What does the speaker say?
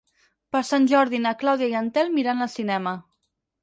Per Sant Jordi na Clàudia i en Telm iran al cinema.